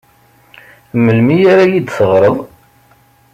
Melmi ara iyi-d-teɣreḍ?